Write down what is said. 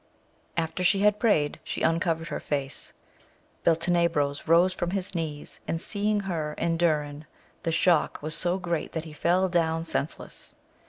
After she had prayed, she uncovered her face. Beltenebros rose from his knees, and seeing her and Dunn, the shock was so great that he fell down senseless.